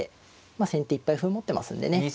まあ先手いっぱい歩を持ってますのでね